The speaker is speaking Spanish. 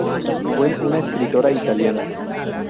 Fue una escritora italiana.